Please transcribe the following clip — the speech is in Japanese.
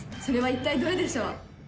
それは一体どれでしょう？